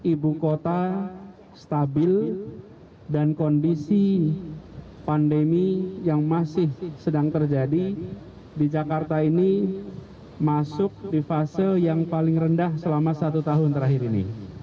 ibu kota stabil dan kondisi pandemi yang masih sedang terjadi di jakarta ini masuk di fase yang paling rendah selama satu tahun terakhir ini